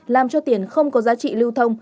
làm cho tiền không có giá trị lưu thông